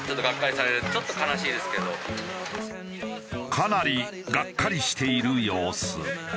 かなりがっかりしている様子。